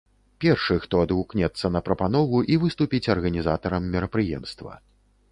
Першы, хто адгукнецца на прапанову, і выступіць арганізатарам мерапрыемства.